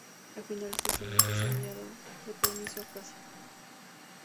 A finales de ese mes es enviado de permiso a casa.